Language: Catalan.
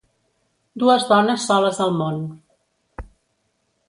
Dues dones soles al món.